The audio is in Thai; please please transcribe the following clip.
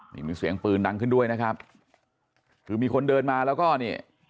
นี่มีเสียงปืนดังขึ้นด้วยนะครับคือมีคนเดินมาแล้วก็นี่